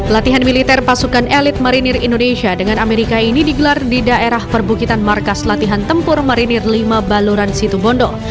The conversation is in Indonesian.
latihan militer pasukan elit marinir indonesia dengan amerika ini digelar di daerah perbukitan markas latihan tempur marinir lima baluran situbondo